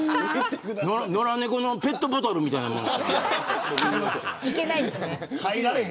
野良猫のペットボトルみたいなもんですから。